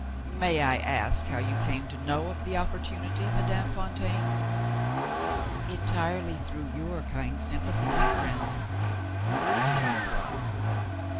"May I ask how you came to know of the opportunity, Madame Fontaine?" "Entirely through your kind sympathy, my friend," was the cool reply.